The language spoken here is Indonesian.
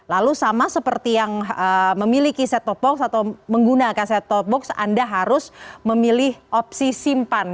lalu sama seperti yang memiliki set top box atau menggunakan set top box anda harus memilih opsi simpan